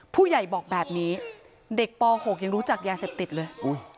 ผู้ใหญ่บอกแบบนี้เด็กป๖ยังรู้จักยาเสพติดเลย